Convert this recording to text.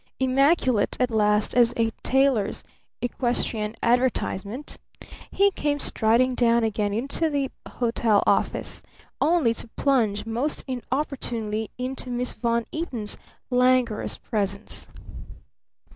Immaculate at last as a tailor's equestrian advertisement he came striding down again into the hotel office, only to plunge most inopportunely into Miss Von Eaton's languorous presence.